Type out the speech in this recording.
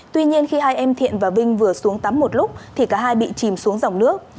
tuy nhiên khi hai em thiện và vinh vừa xuống tắm một lúc thì cả hai bị chìm xuống dòng nước